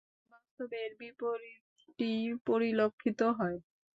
কেননা, বাস্তবে এর বিপরীতটিই পরিলক্ষিত হয়।